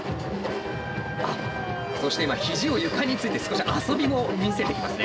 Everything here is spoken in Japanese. あっそして今肘を床について少し遊びも見せてきますね。